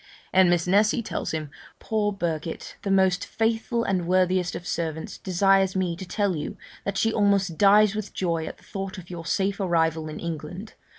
And Miss Nessy tells him, 'Poor Birket, the most faithful and worthiest of servants, desires me to tell you that she almost dies with joy at the thought of your safe arrival in England.